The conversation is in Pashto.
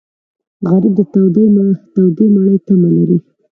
غریب د تودې مړۍ تمه لري